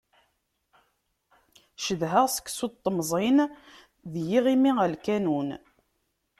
Cedhaɣ seksu n temẓin d yiɣimi ɣer lkanun.